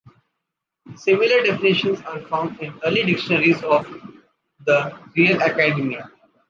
Similar definitions are found in early dictionaries of the Real Academia.